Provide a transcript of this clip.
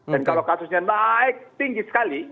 kalau kasusnya naik tinggi sekali